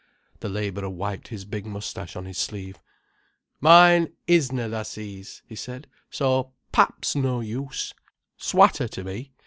The labourer wiped his big moustache on his sleeve. "Mine isna, tha sees," he said, "so pap's no use. 'S watter ter me.